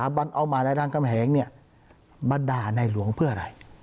สถาบันเอามาในรามกำแหงเนี่ยบัดดาในหลวงเพื่ออะไร